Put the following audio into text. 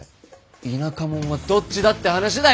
田舎モンはどっちだって話だい！